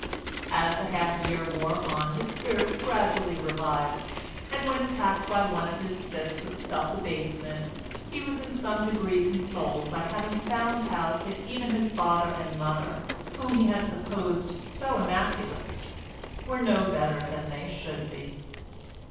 As the half year wore on his spirits gradually revived, and when attacked by one of his fits of self abasement he was in some degree consoled by having found out that even his father and mother, whom he had supposed so immaculate, were no better than they should be.